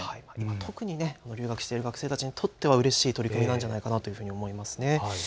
特に留学している学生たちにとってはうれしい取り組みなんじゃないかなと思います。